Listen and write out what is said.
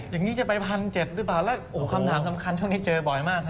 อย่างนี้จะไป๑๗๐๐หรือเปล่าแล้วโอ้โหคำถามสำคัญช่วงนี้เจอบ่อยมากฮะ